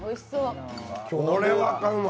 これはあかんわ。